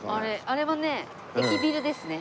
あれはね駅ビルですね。